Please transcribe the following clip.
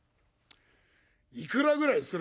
いくらぐらいするんだ？」。